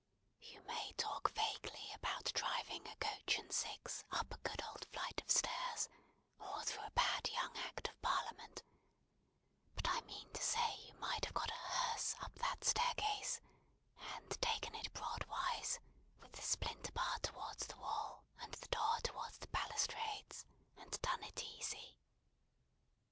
You may talk vaguely about driving a coach and six up a good old flight of stairs, or through a bad young Act of Parliament; but I mean to say you might have got a hearse up that staircase, and taken it broadwise, with the splinter bar towards the wall and the door towards the balustrades: and done it easy.